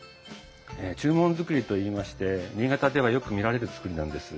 中門造りといいまして新潟ではよく見られる造りなんです。